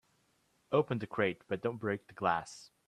Open the crate but don't break the glass.